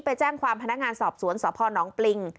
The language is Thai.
ไปแจ้งความพนักงานสอบสวนสพนปริง